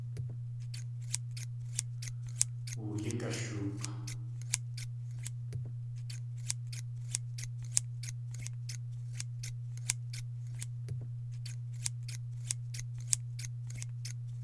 Wooyík ashook̲.